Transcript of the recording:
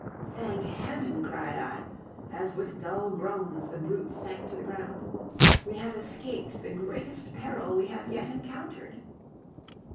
"Thank Heaven!" cried I, as with dull groans the brutes sank to the ground. "We have escaped the greatest peril we have yet encountered!"